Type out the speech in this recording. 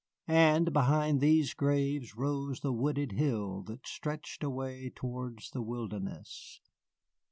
And behind these graves rose the wooded hill that stretched away towards the wilderness.